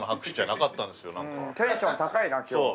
テンション高いな今日は。